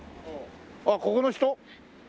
あっここの人？